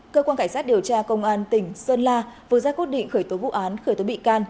cơ quan cảnh sát điều tra công an tỉnh sơn la vừa ra cốt định khởi tố vụ án khởi tố bị can